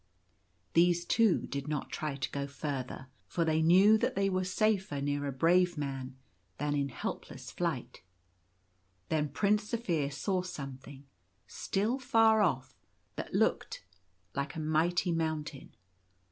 These, too, did not try to go further, for they knew that they were safer near a brave man than in help less flight. Then Prince Zaphir saw something, still far off, that looked like a mighty mountain.